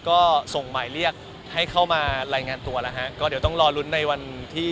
ก็ส่งหมายเรียกให้เข้ามารายงานตัวแล้วฮะก็เดี๋ยวต้องรอลุ้นในวันที่